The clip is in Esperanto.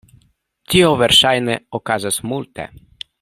Tio verŝajne okazos multe.